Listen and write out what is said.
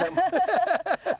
ハハハハッ。